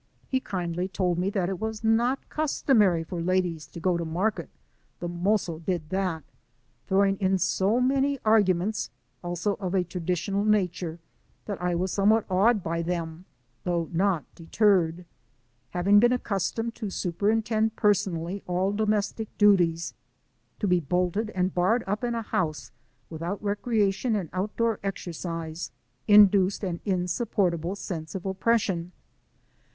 He kindly told me it was not customary for ladies to go to market — "the mo20 did that" — throwing in so many other arguments, also of a traditional nature, that I was somewhat awed by them, though not deterred. Having been accustomed to superintend personally all domestic duties, to be bolted and barred up in a house, without recreation and outdoor exercise, induced an insupportable sense of oppression.